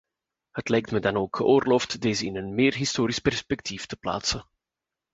Het lijkt me dan ook geoorloofd deze in een meer historisch perspectief te plaatsen.